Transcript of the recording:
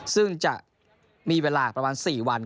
ซึ่งจะมีเวลาประมาณ๔วัน